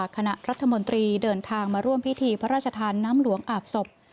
คณะรัฐมนตรีเดินทางมาร่วมพิธีพระราชทานน้ำหลวงอาบศพ